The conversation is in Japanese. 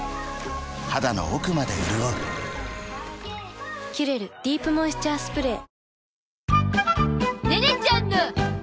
肌の奥まで潤う「キュレルディープモイスチャースプレー」